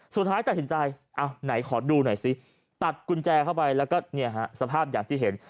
สุดท้ายตัดสินใจเอาไหนขอดูหน่อยซิตัดกุญแจเข้าไปแล้วก็เนี่ยฮะสภาพอย่างที่เห็น